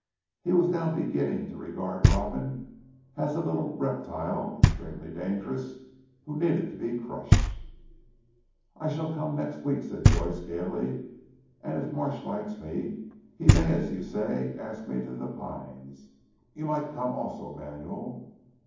He was now beginning to regard Robin as a little reptile extremely dangerous who needed to be crushed. "I shall come next week," said Joyce gaily, "and if Marsh likes me, he may as you say, ask me to 'The Pines.' You might come also Manuel."